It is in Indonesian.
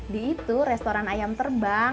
di itu restoran ayam terbang